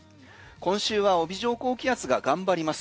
今週は帯状高気圧が頑張ります。